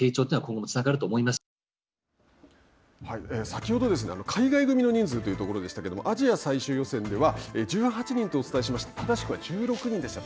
先ほど海外組の人数というところでしたけれどもアジア最終予選では１８人とお伝えしましたが正しくは１６人でした。